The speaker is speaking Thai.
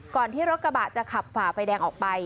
ที่รถกระบะจะขับฝ่าไฟแดงออกไป